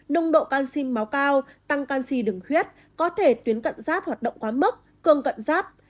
nông độ canxi máu cao tăng canxi đường khuyết có thể tuyến cận giáp hoạt động quá mức cường cận giáp